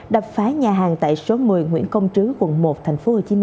đập phá nhà hàng tại số một mươi nguyễn công trứ quận một tp hcm